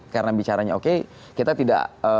karena bicaranya oke kita tidak